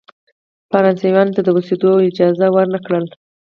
فرانسویانو ته د اوسېدلو اجازه ورنه کړی.